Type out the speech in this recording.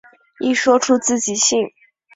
一说出自己姓。